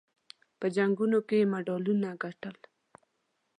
په جنګونو کې یې مډالونه ګټل.